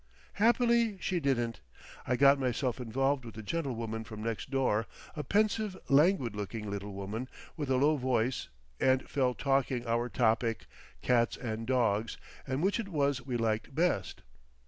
Happily she didn't. I got myself involved with the gentlewoman from next door, a pensive, languid looking little woman with a low voice, and fell talking; our topic, Cats and Dogs, and which it was we liked best.